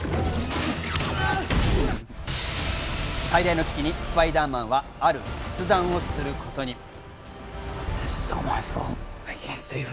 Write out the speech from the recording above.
最大の危機にスパイダーマンはある決断をすることに。